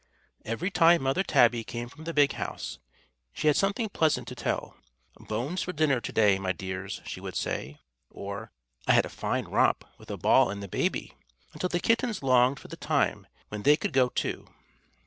Every time Mother Tabby came from the big house she had something pleasant to tell. "Bones for dinner to day, my dears," she would say, or "I had a fine romp with a ball and the baby," until the kittens longed for the time when they could go too.